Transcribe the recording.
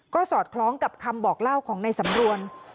ก็สอดคล้องกับคำบอกเล่าของในสำรวม